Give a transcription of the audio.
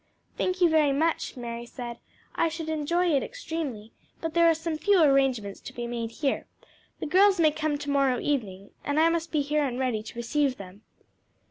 "Thank you very much," Mary said. "I should enjoy it extremely, but there are some few arrangements to be made here. The girls may come to morrow evening, and I must be here and ready to receive them."